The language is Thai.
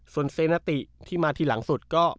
ส่วนเซนาติที่มาทีหลังสุดก็